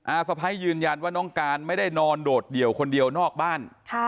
สะพ้ายยืนยันว่าน้องการไม่ได้นอนโดดเดี่ยวคนเดียวนอกบ้าน